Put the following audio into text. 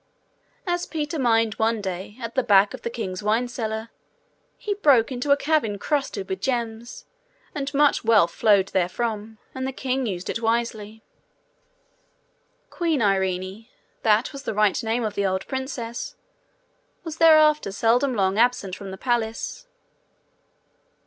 As Peter mined one day, at the back of the king's wine Cellar, he broke into a cavern crusted with gems, and much wealth flowed therefrom, and the king used it wisely. Queen Irene that was the right name of the old princess was thereafter seldom long absent from the palace.